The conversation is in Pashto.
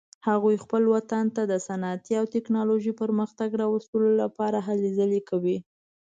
هغوی خپل وطن ته د صنعتي او تکنالوژیکي پرمختګ راوستلو لپاره هلې ځلې کوي